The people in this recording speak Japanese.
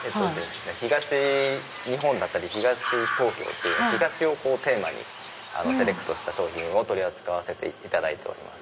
東日本だったり東東京っていうような「東」をテーマにセレクトした商品を取り扱っております。